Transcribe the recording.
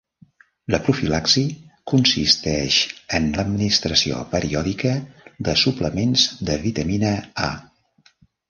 La profilaxi consisteix en l'administració periòdica de suplements de vitamina A.